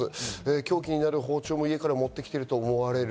凶器になる包丁も家から持ってきていると思われる。